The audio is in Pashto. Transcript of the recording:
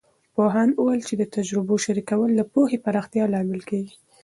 پوهاند وویل چې د تجربو شریکول د پوهې پراختیا لامل کیږي.